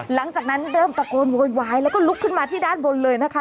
หลังจากนั้นเริ่มตะโกนโวยวายแล้วก็ลุกขึ้นมาที่ด้านบนเลยนะคะ